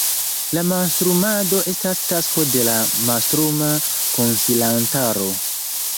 La mastrumado estas tasko de la mastruma konsilantaro.